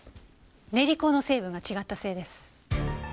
練香の成分が違ったせいです。